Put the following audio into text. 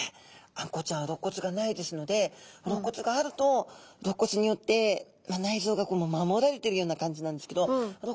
あんこうちゃんはろっ骨がないですのでろっ骨があるとろっ骨によって内臓が守られてるような感じなんですけどなるほど。